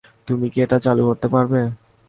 তুমি কি এটা চালু করতে পারবে?